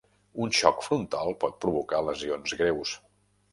Un xoc frontal pot provocar lesions greus